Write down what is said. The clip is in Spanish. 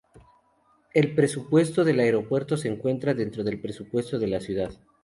El presupuesto del aeropuerto se encuentra dentro del presupuesto de la ciudad.